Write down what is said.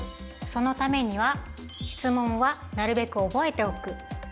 そのためには質問はなるべく覚えておく。